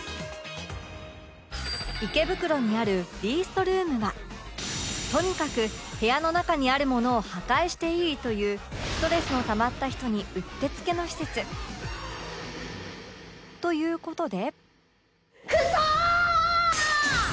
池袋にある ＲＥＥＡＳＴＲＯＯＭ はとにかく部屋の中にあるものを破壊していいというストレスのたまった人にうってつけの施設という事で